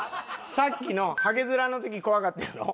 さっきのハゲヅラの時怖かったやろ？